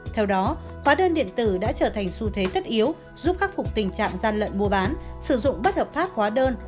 theo đó hóa đơn điện tử đã trở thành xu thế tất yếu giúp khắc phục tình trạng gian lận mua bán sử dụng bất hợp pháp hóa đơn